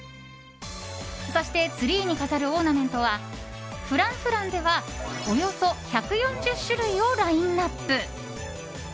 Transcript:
そしてツリーに飾るオーナメントはＦｒａｎｃｆｒａｎｃではおよそ１４０種類をラインアップ。